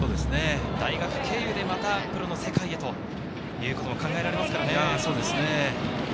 大学経由でまたプロの世界へということも考えられますからね。